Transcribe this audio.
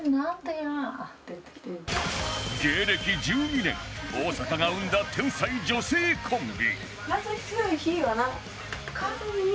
芸歴１２年大阪が生んだ天才女性コンビ